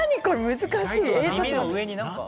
難しい！